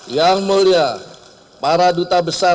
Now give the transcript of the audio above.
yang saya hormati para anggota dpr dan dpr